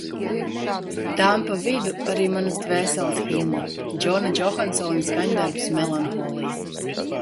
Tām pa vidu arī manas dvēseles himna – Džona Džohansona skaņdarbs Melanholija.